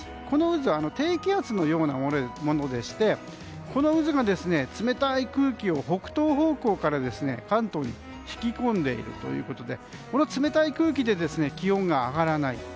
この渦は低気圧のようなものでしてこの渦が冷たい空気を北東方向から関東に引き込んでいるということでこの冷たい空気で気温が上がらない。